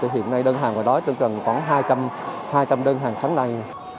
hiện nay đơn hàng ở đó chẳng cần khoảng hai trăm linh đơn hàng sáng nay